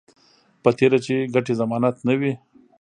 په تېره چې ګټې ضمانت نه وي